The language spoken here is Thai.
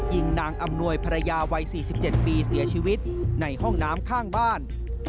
ยิงนางอำนวยภรรยาวัย๔๗ปีเสียชีวิตในห้องน้ำข้างบ้าน